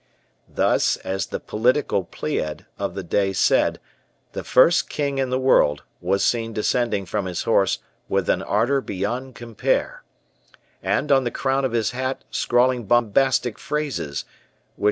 Thus, as the political Pleiad of the day said, the first king in the world was seen descending from his horse with an ardor beyond compare, and on the crown of his hat scrawling bombastic phrases, which M.